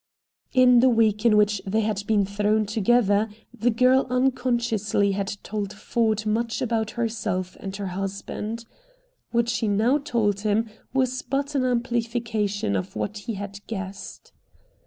In the week in which they had been thrown together the girl unconsciously had told Ford much about herself and her husband. What she now told him was but an amplification of what he had guessed.